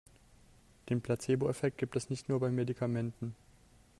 Den Placeboeffekt gibt es nicht nur bei Medikamenten.